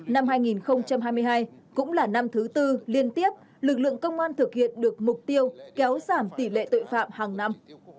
năm hai nghìn hai mươi hai cũng là năm thứ tư liên tiếp lực lượng công an thực hiện được mục tiêu kéo giảm tỷ lệ tội phạm hàng năm